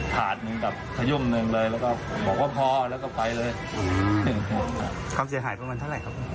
ถาดหนึ่งกับขยุ่มหนึ่งเลยแล้วก็บอกว่าพอแล้วก็ไปเลยความเสียหายประมาณเท่าไหร่ครับ